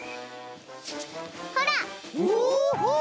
ほら！